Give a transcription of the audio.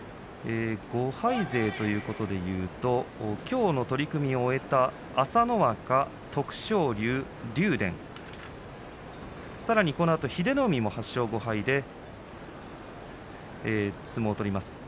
５敗勢ということでいうときょうの取組を終えた朝乃若、徳勝龍、竜電さらに、このあと英乃海も８勝５敗で相撲を取ります。